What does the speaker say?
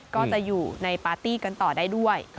ก็จะอยู่ในปาร์ตี้กันต่อได้ด้วย